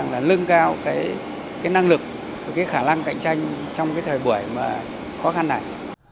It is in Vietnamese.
lương cao năng lực và khả năng cạnh tranh trong thời buổi khó khăn này